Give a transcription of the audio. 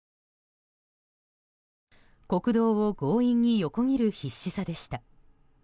国道を強引に横切る必死さでした。